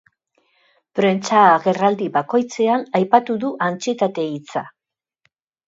Prentsa agerraldi bakoitzean aipatu du antsietate hitza.